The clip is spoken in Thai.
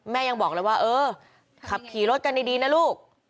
ยังบอกเลยว่าเออขับขี่รถกันดีนะลูก